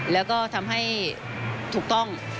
แล้วก็ทำให้ถูกต้อง